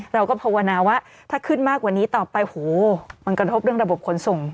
เราก็ภาวนาว่าถ้าขึ้นมากกว่านี้ต่อไปโหมันกระทบเรื่องระบบขนส่ง